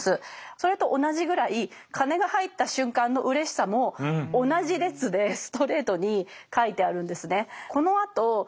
それと同じぐらい金が入った瞬間のうれしさも同じ列でストレートに書いてあるんですね。